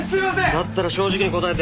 だったら正直に答えて。